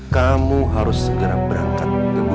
kamu harus segera berangkat ke gunung ijen